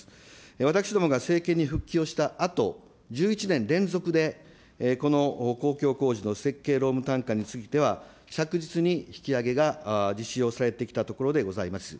私どもが政権に復帰をしたあと、１１年連続でこの公共工事の設計労務単価については、着実に引き上げが実施をされてきたところでございます。